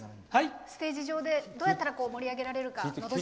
ステージ上でどうやったら盛り上げられるか。